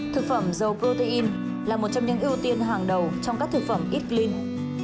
thực phẩm dầu protein là một trong những ưu tiên hàng đầu trong các thực phẩm ít lin